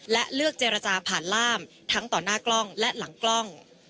และเลือกเจรจาผ่านล่ามทั้งต่อหน้ากล้องและหลังกล้อง